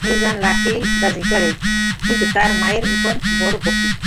নিরঞ্জন লাঠিবাজি করে, কিন্তু তার মায়ের উপর বড় ভক্তি।